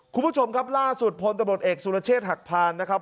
คุณผู้ชมครับล่าสุดพลตำรวจเอกสุรเชษฐ์หักพานนะครับ